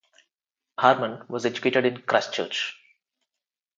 Harman was educated in Christchurch.